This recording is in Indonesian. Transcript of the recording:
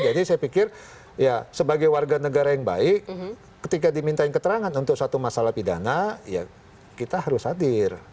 jadi saya pikir ya sebagai warga negara yang baik ketika dimintain keterangan untuk satu masalah pidana ya kita harus hadir